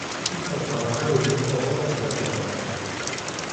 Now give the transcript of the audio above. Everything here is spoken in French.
Ruxandra Dragomir remporte le simple dames.